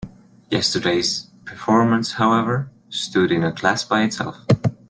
Yesterday's performance, however, stood in a class by itself.